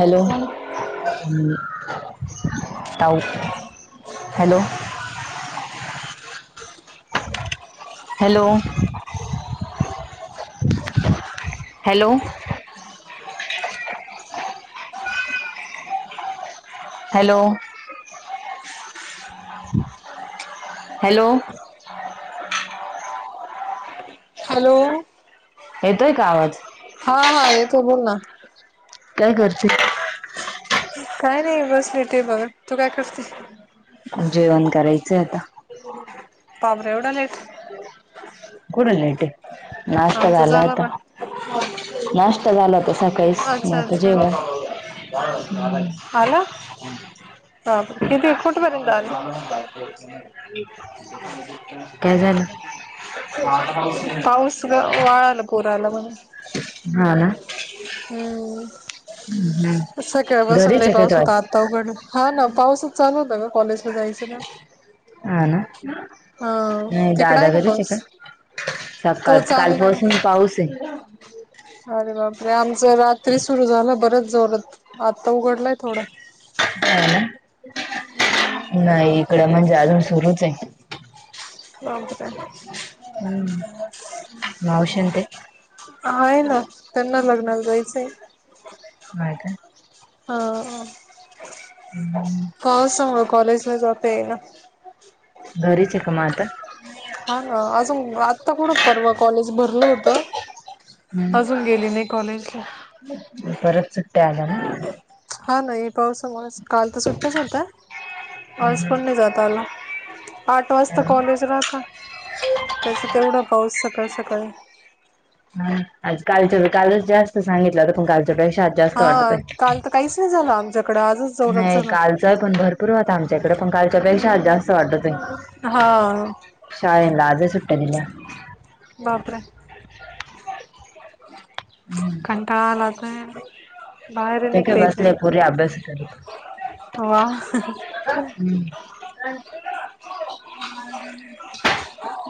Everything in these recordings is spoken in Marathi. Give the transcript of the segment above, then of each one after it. हॅलो हा मी हऊ hello hello! Hello! Hello! Hello! Hello! येतोय का आवाज. हा हा येतो बोल ना. काय करते. काय नाही बसले होते बघा तू काय करते. जेवण करायचं आता. हो. बापरे एवढा लेट कुट लेट ये नाष्टा आमचा झाला आता पण नाष्टा झाला होता सकाळीच मग अच्छा आता अच्छा जेवण. [inaudible] आला आ किती कुठेपर्यंत आले. काय झालं ह [unintelligible] पाऊस ग वाळाला पूर आला म्हणून हा ना हम्म. हम्म सकाळपासून घरीच लई आहे का पाऊस तू आज होता आता उघड हा ना पाऊसच चालू होता ग कॉलेज. जायचं ना हा ना हा नाही तिकड दादा आहे का घरीच पाऊस. का सकाळ तो चालला ये कालपासून पाऊस आहे अरे बाबा. अरे आमच रात्री सुरू झालं बरच जोरत आत्ता उघडलाय थोडं. ह ना हम्म नाही इकडं म्हणजे अजून सुरूच ये. [unintelligible] हम्म. मावशी न ते आहे ना. त्यांना लग्नाला जायचं ये. काय काय अ हो पावसामुळे कॉलेजला जाता यायना. घरीच ये का मग आता. हा ना अजून आता कुठं परवा कॉलेज भरलं होतं. हम्म अजून गेली नाही कॉलेजला. परत सुट्ट्या आल्या ना, हा ना हे पावसामुळेच काल तर सुट्टाच होत्या, आज हम्म पण नाही जात. चालना आठ वाजता कॉलेज राहता. तसं तेवढा पाऊस सकाळी-सकाळी, हा ना आज कालच कालच जास्त सांगितला होता तर पण कालच्यापेक्षा आज जास्त वाटत हा आहे काल तर काहीच नाही झालं आमच्याकडं आजच जोरात नाही झाला कालचा पण भरपूर होता आमच्याकडे पण काल कालच्या पेक्षा आज जास्त वाटतंय हा शाळेला आजही सुट्ट्या दिल्या. बापरे! हम्म, का आला आता बाहेर ते काय निघते येत बसले नाही. पोरी अभ्यास करत व्वा हं हं [inaudible]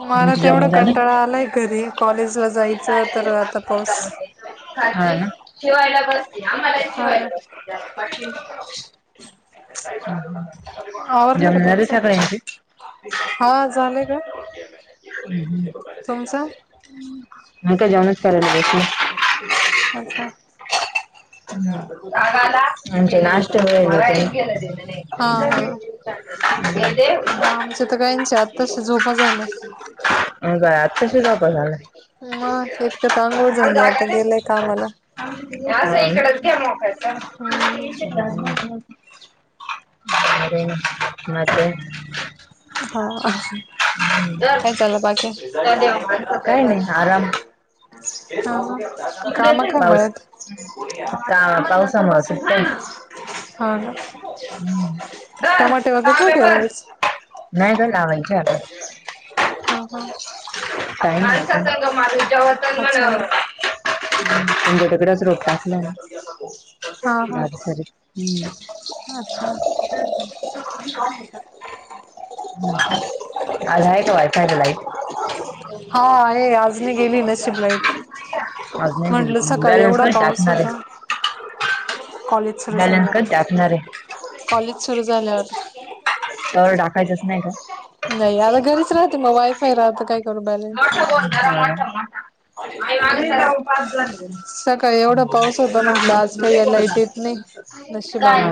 मला तुमचे तर येवढा जेवण झाले कंटाळा आलाय. घरी कॉलेजला जायचं तर आता पाऊस, हाय ना जेवायला बस. हा [inaudible] आवरलं का जेवणं झाली तुमचं सगळ्याची, हा झाले का? तुमचं नाही का जेवण करालोय. अच्छा! हम् आमची लास्ट वेळ आहे. हा हा [inaudible] सगळ्यांच्या आताशी झोपा झाल्या. ये बाय आत्ताशी झोपा झाल्या. मग इतक्यात आंघोळ झाली आता दे. गेले कामाला असं इकडच घ्या मोकळ्याचं हम्म [inaudible] हा, हा तर काय चालंय बाकी, त्या देव हं माणसं काय नाही आराम हं इकडे काम येतोय काय का? पाऊस मळ्यात का पावसामुळे सुट्ट्या हा ना, टमाटे वगैरे नाही का यावेळेस नाही ग लावायचे आता, हा हा [inaudible] अच्छा बरं तिकडं रोप टाकला आहे. हा [unintelligible] हा हम्म अच्छा! आज आहे वाटतंय लाईट, हा आहे आज नाही गेली नशीब लाईट, आज नाही गेली म्हणलं का सकाळी बॅलन्स एवढा कधी पाऊस टाकणार होता. आहे कॉलेज सुरू बॅलन्स झालं, कधी टाकणार आहे कॉलेज सुरू झाल्यावर तवर टाकायचंच नाही का? नई आता घरीच राहते म वायफाय राहत काय? करू बॅलन्स हम्म [unintelligible] सकाळी एवडा पाऊस होता. मटलं, आज काय लाईट येत नाही. नशीब काय आली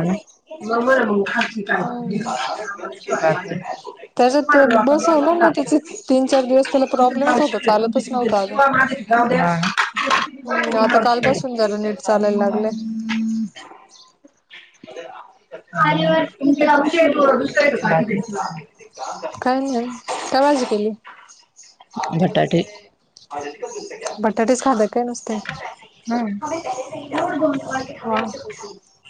मग बरं मग खालची [inaudible] काय हं. आम्हाला शिवाय वाचायचं [inaudible] त्याज तुम्हाला ते लोकां वाटत बसवल नं जात तेच तीन - चार दिवस त्यांला तुमचे प्रॉब्लेमच ब्लाऊज होता. शिवले तुमचे चालतच तुमचे नव्हतं आगं. शिवा माझे जाऊ द्या हा. हम्म. माझे आता ब्लाऊज काल शिवले पासून जरा निट चालायला लागलय. [inaudible] खाली वर. तुमच्या [unintelligible] काय नाइ. काय भाजी केली? बटाटे [inaudible] बटाटेच खाताय काय नुसते? हा [inaudible] हा. [unintelligible] [unintelligible]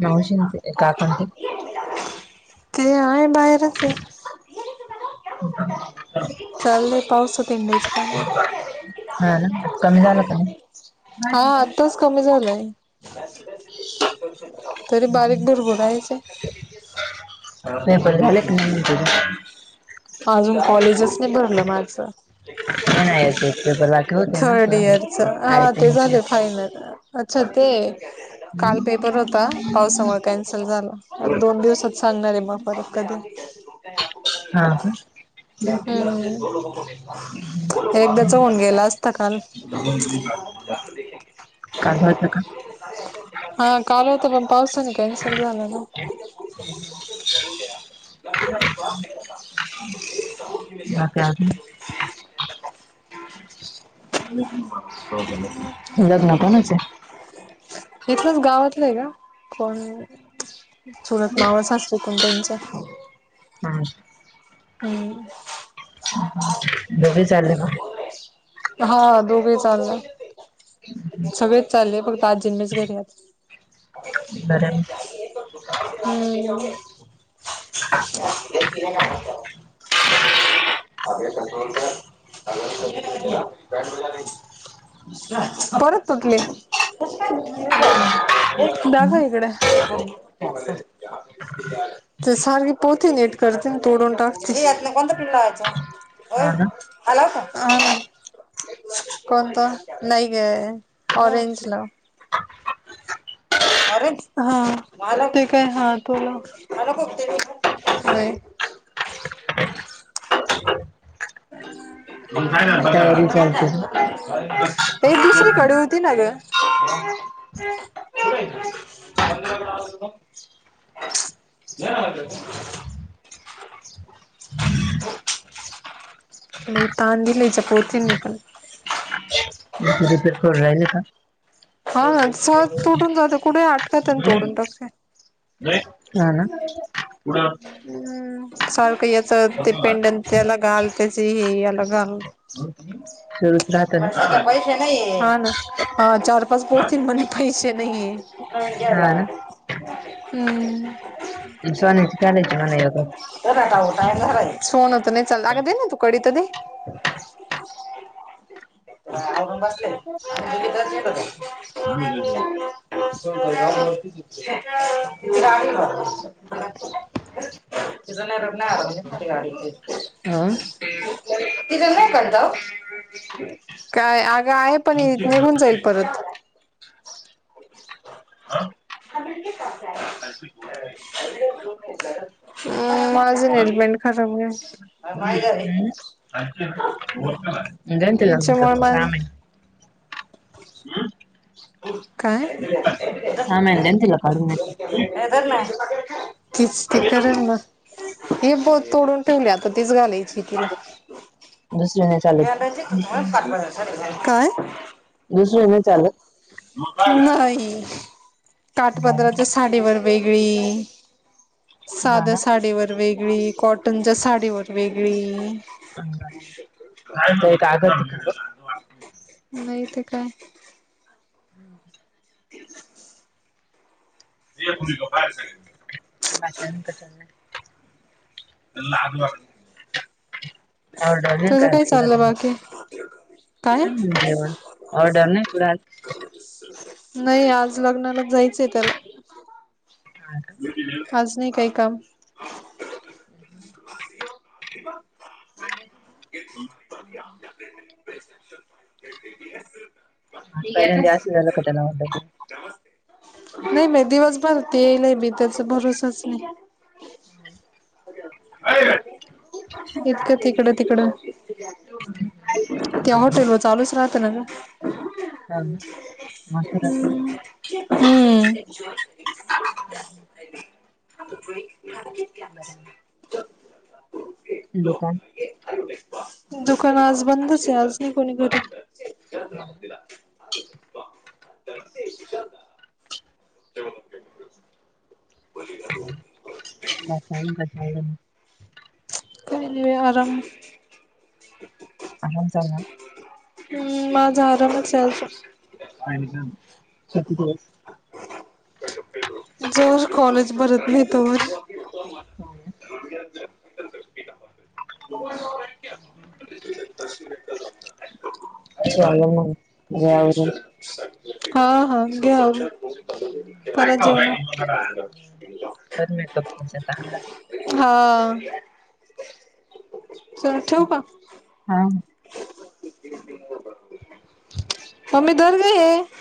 मावशी न ते. काका न ते. ते आहे. बाहेरचय. चाललय, पावसात हिंडायची कामं. हा, ना. आत कमी झाला का नाही? नाही हा झालं. आत्ताच कमी झालाय. तरी बारीक भूरभूर हायचंय पेपर झाले का नाही [inaudible] अजून कॉलेजच नई भरल माज. नाही ना एक एक पेपर बाकी होते ना थर्ड तुला इयरचं. हा, ते टायपिंगचे झाले फायनल. अच्छा, ते. काल हम्म? पेपर होता. पावसामुळे कॅन्सल झाला. दोन दिवसात सांगणारे मग, परत कधी? हा, का? हम्म. का एकदाचं होऊन गेला असता काल. [unintelligible] जाकर देखेंगे. काजवतं का? हा, काल होता पण पावसने कॅन्सल झाला ना. हं, हं. [inaudible] बाकी अजून? [inaudible] लग्नं, कोणाचय? इथलंच. गावातलंय गं. कोण चुलत, मावस सासूकुण त्यांच्या. हम्. हम्म. हं, हं, हं. दोघेही चालले का? हा, दोगेही चालला. हं, हं. सगळेच चालले. फक्त आजी न मीच घरीयत. बरं आहे [inaudible] हम्म. [inaudible] [inaudible] [inaudible] परत तुटली. कशी काय तुटली? [unintelligible] दाखव इकड. [inaudible] ते सारी पोथी नीट करते. तोडून टाकती. यातंनं कोणतं पिन लावायचा. होय. मग. ना हा लाऊ का? हो, ना. कोणता? नाही गं. ऑरेंज लाव. [inaudible] अरे? हा. मला ते काय? हा, तुला. मला बघते व्हय? व्हय. [unintelligible] तयारी चालते ना हे दुसरीकडून दी ना गं. [unintelligible] दे ना भाकर. मि तांदूलीच्या पोतींनी पण रिपेअर इथं करू राहिले का? हा ना. सहज तोडून जातं. कुठे आटकतन अन तोडून टाक हा [inaudible] ना हम्म. सारखं याचं ते पेंडंट त्याला घाल, त्याचे हे याला घाल. हम्? सुरूच राहत ना पैशाचं, पैसे नाही. हा ना. हा चार-पाच पोती म्हणे पैसे नाहिये. हा ना [unintelligible] हम्म. सोन्याची करायची ना मग एक. सोनं तर नाही चाल, अगदी दे ना तू कडी तर दे आवरून बसलेले, [unintelligible] [unintelligible] [unintelligible] [unintelligible] [unintelligible] [unintelligible] हम्म काय अगं आहे पण निघून जाईल परत. आ? [unintelligible] अं, माझं हेल्मेट खराब [unintelligible] द्याना तिला नंतर, याच्यामुळे सहा माझ महिने काय? सहा महिने द्या ना तिला काढून एक तीचं ते करेल ना. ती बघरी तोडून ठेवली, आता तीच घालायची तिला. दुसरे नाही चालत का [unintelligible] काय? दुसरी नाही चालत? नाही. बरं काठ-पदराची स साडी वर वेगळी, हा साध्या ना साडीवर वर वेगळी, कॉटनच्या साडीवर वेगळी [unintelligible] काय करत वा. नाही तर काय. [unintelligible] बायकांना हिकडच्या घरात, ते लाज वाट [unintelligible] काय तुझं काय चाललं बाकी? काय? म्हनाव देवा, ऑर्डर नाही कुठं आज नाही आज लग्नाला जायचय त्याला [inaudible] आज नाही काही काम [unintelligible] नाही मी दिवसभर येत नाही मी त्याचा भरोसाच नाही इतक तिकडं -तिकडं [inaudible] त्या हॉटेल वर चालूच राहत ना ग हा ना मथुराच ना हम्म [inaudible] बरं दुकान दुकान आज बंदच आहे आज नाही कोणी घरी हा [inaudible] काही नाही बाई आराम आराम चालाय हम्म माझा आरामच हाय अजून किती दिवस जोवर कॉलेज भरत नाही तोवर चालेल मग घे आवरून हा हा घे आवरून खर जेवणार कर मेकअप तिचा चांगला हा चल ठेवू का हा-हा [inaudible] मम्मी धर गं हे